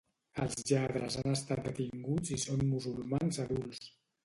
Els lladres han estat detinguts i són musulmans adults